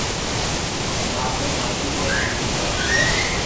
ھمي اپو ري مالڪ اي ھوڻي ڪاڌي ھي